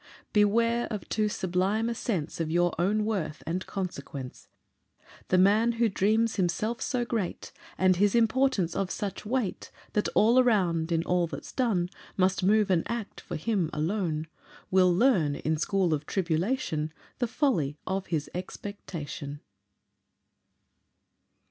Beware of too sublime a sense Of your own worth and consequence: The man who dreams himself so great, And his importance of such weight, That all around, in all that's done, Must move and act for him alone, Will learn in school of tribulation The folly of his expectation.